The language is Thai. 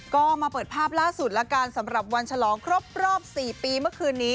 ก็มาเปิดภาพล่าสุดแล้วกันสำหรับวันฉลองครบรอบ๔ปีเมื่อคืนนี้